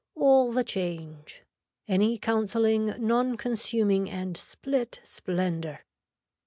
All the change. Any counselling non consuming and split splendor.